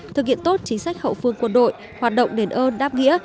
thực hiện tốt chính sách hậu phương quân đội hoạt động đền ơn đáp nghĩa